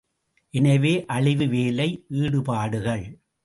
எனவே, அழிவு வேலை ஈடுபாடுகள்!